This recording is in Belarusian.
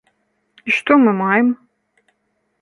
І што мы маем?